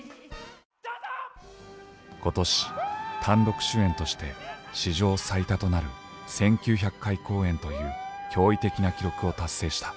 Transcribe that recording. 今年単独主演として史上最多となる１９００回公演という驚異的な記録を達成した。